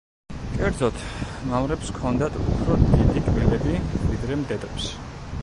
კერძოდ, მამრებს ჰქონდათ უფრო დიდი კბილები, ვიდრე მდედრებს.